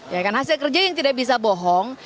ya kan hasil kerja yang tidak bisa bohong